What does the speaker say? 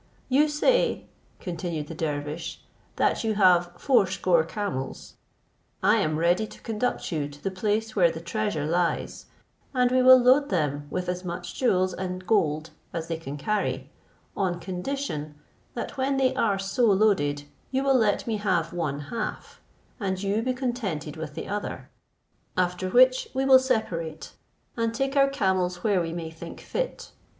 "You say," continued the dervish, "that you have fourscore camels: I am ready to conduct you to the place where the treasure lies, and we will load them with as much jewels and gold as they can carry, on condition that when they are so loaded you will let me have one half, and you be contented with the other; after which we will separate, and take our camels where we may think fit.